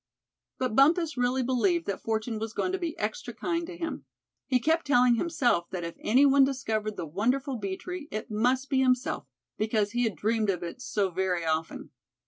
But Bumpus really believed that fortune was going to be extra kind to him. He kept telling himself that if any one discovered the wonderful bee tree, it must be himself, because he had dreamed of it so very often.